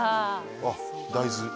あっ大豆。